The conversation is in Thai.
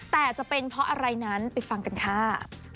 แต่จะเป็นเพราะอะไรนั้นไปฟังกันค่ะ